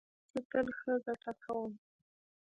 زه تل ښه ګټه کوم